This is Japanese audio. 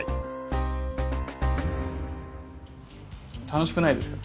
楽しくないですか？